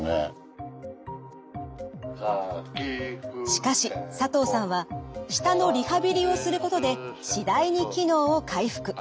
しかし佐藤さんは舌のリハビリをすることで次第に機能を回復。